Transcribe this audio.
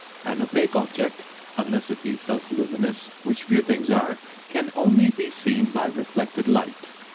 An opaque object, unless it be self luminous, which few things are, can only be seen by reflected light.